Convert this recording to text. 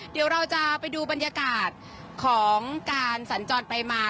เดี๋ยวเราจะไปดูบรรยากาศของการสัญจรไปมา